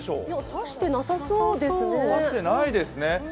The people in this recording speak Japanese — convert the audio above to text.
差してなさそうですね。